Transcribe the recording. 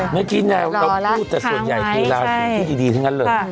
เมื่อกี้แนวเราพูดแต่ส่วนใหญ่คือราศีที่ดีทั้งนั้นเลย